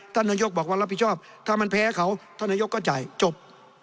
ท่านนายกบอกว่ารับผิดชอบถ้ามันแพ้เขาท่านนายกก็จ่ายจบ